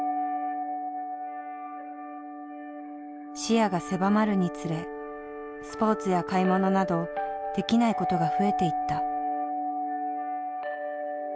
視野が狭まるにつれスポーツや買い物などできないことが増えていった。